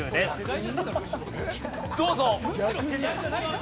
どうぞ。